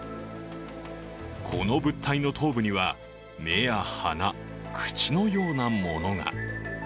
この物体の頭部には、目や鼻、口のようなものが。